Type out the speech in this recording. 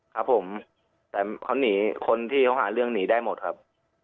ครับผมแต่เขาหนีคนที่เขาหาเรื่องหนีได้หมดครับ